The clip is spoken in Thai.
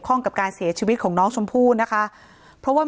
ข้องกับการเสียชีวิตของน้องชมพู่นะคะเพราะว่า